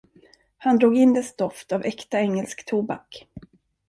Han drog in dess doft av äkta engelsk tobak.